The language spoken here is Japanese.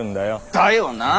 だよなあ。